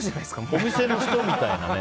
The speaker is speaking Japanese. お店の人みたいなね。